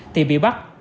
thì bị bắt